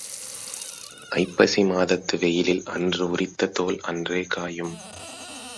ஐப்பசி மாதத்து வெயிலில் அன்று உரித்த தோல் அன்றே காயும்.